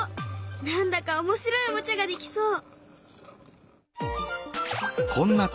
何だか面白いおもちゃができそう！